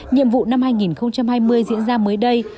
nhiệm vụ năm hai nghìn hai mươi diễn ra mới đây